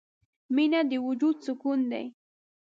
• مینه د وجود سکون دی.